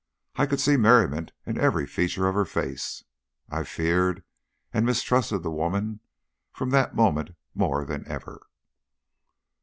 I could see merriment in every feature of her face. I feared and mistrusted the woman from that moment more than ever.